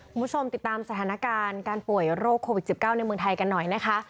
คุณผู้ชมติดตามสถานการณ์การป่วยโรคโควิด๑๙ในเมืองไทยกันหน่อยนะคะ